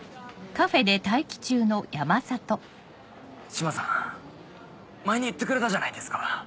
島さん前に言ってくれたじゃないですか。